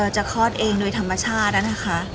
คลอดเองโดยธรรมชาตินะคะ